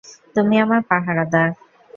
তুমি আমার পাহারাদার।